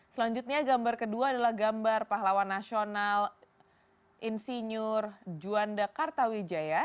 selanjutnya gambar kedua adalah gambar pahlawan nasional insinyur juanda kartawijaya